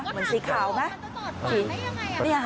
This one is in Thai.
เหมือนสีขาวไหม